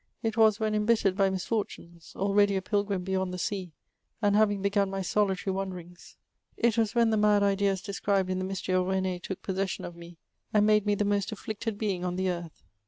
It was when embittered by mis fortunes, already a pilgrim beyond the sea, and having begun my solitary wanderings — it was when the mad ideas described in the mystery of Rene took possession of me, and made me the most afflicted being on the earth.